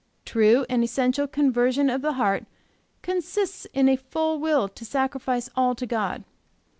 True and essential conversion of the heart consists in a full will to sacrifice all to God.